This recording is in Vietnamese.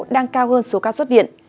đang cao hơn số các xuất viện